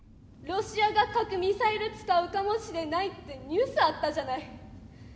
ロシアが核ミサイル使うかもしれないってニュースあったじゃない。